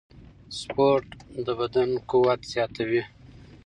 سپورت د بدن قوت زیاتوي.